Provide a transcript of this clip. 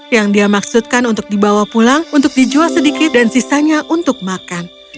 yang dia maksudkan untuk dibawa pulang untuk dijual sedikit dan sisanya untuk makan